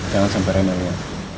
jangan sampai renal ya